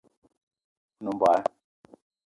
O nem mbogue